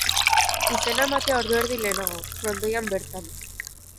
Izena ematea ordu erdi lehenago, frontoian bertan.